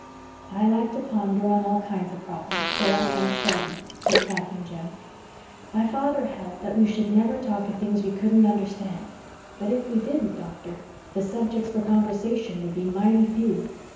"I like to ponder on all kinds of problems, though I can't solve 'em," said Captain Jim. "My father held that we should never talk of things we couldn't understand, but if we didn't, doctor, the subjects for conversation would be mighty few.